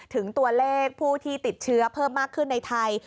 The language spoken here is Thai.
ถึงตัวเลขผู้ที่ติดเชื้อเพิ่มมากขึ้นในไทย